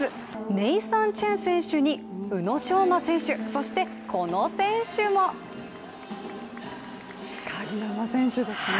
ネイサン・チェン選手に宇野昌磨選手、そしてこの選手も鍵山選手ですね。